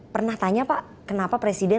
pernah tanya pak kenapa presiden